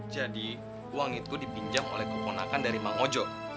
jadi uang itu dipinjam oleh keponakan dari bang ojo